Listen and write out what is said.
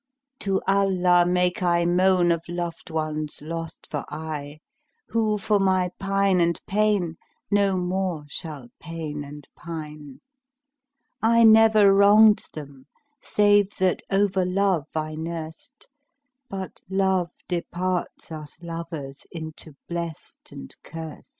To Allah make I moan of loved ones lost for aye, * Who for my pine and pain no more shall pain and pine: I never wronged them save that over love I nurst: * But Love departs us lovers into blest and curst."